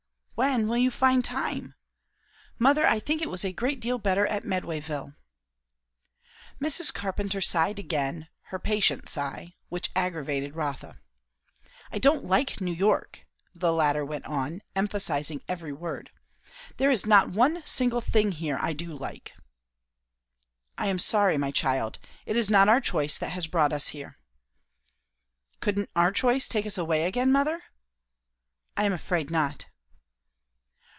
"When will you find time? Mother, I think it was a great deal better at Medwayville." Mrs. Carpenter sighed again, her patient sigh, which aggravated Rotha. "I don't like New York!" the latter went on, emphasizing every word. "There is not one single thing here I do like." "I am sorry, my child. It is not our choice that has brought us here." "Couldn't our choice take us away again, mother?" "I am afraid not."